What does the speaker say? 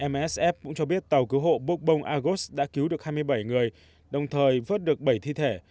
msf cũng cho biết tàu cứu hộ bốc bông argos đã cứu được hai mươi bảy người đồng thời vớt được bảy thi thể